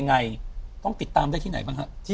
ยังไงต้องติดตามได้ที่ไหนบ้างฮะ